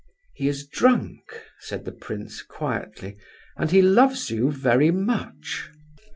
"He is drunk," said the prince, quietly, "and he loves you very much."